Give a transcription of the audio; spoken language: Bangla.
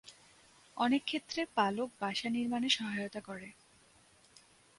অনেকক্ষেত্রে পালক বাসা নির্মাণে সহায়তা করে।